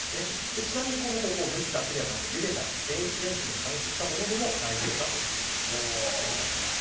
ちなみに、この方法は蒸すだけではなく、ゆでたり電子レンジで加熱したものでも大丈夫だということです。